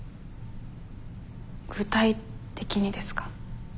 具体的にですか？